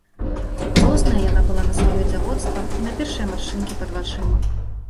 Злосная яна была на сваё дзявоцтва і на першыя маршчынкі пад вачыма.